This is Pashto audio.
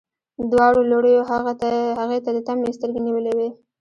دواړو لړیو هغې ته د طمعې سترګې نیولي وې.